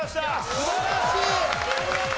素晴らしい。